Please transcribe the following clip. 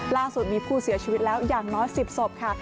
ล่าสุดมีผู้เสียชีวิตแล้วอย่างน้อย๑๐ศพค่ะ